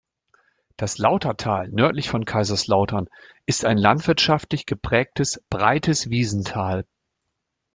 Das Lautertal nördlich von Kaiserslautern ist ein landwirtschaftlich geprägtes, breites Wiesental.